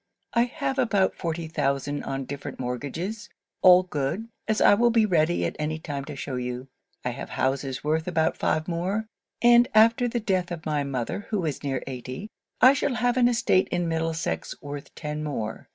'I have about forty thousand on different mortgages; all good, as I will be ready at any time to shew you. I have houses worth about five more. And after the death of my mother, who is near eighty, I shall have an estate in Middlesex worth ten more.